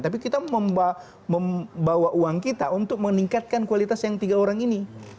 tapi kita membawa uang kita untuk meningkatkan kualitas yang tiga orang ini